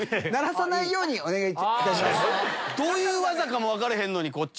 どういう技かも分かれへんのにこっち。